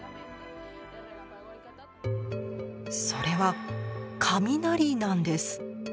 それは雷なんです。